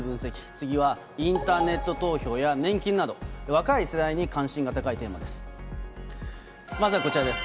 次は、インターネット投票や年金など、若い世代に関心が高いテーマです。